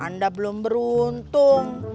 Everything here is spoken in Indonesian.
anda belum beruntung